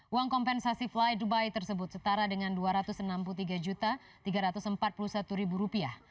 uang kompensasi fly dubai tersebut setara dengan dua ratus enam puluh tiga tiga ratus empat puluh satu rupiah